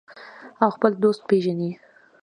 او خپل دوست پیژني.